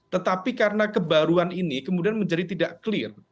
tetapi karena kebaruan ini kemudian menjadi tidak clear